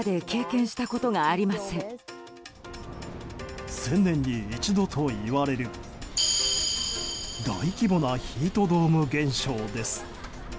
１０００年に一度といわれる大規模なヒートドーム現象です。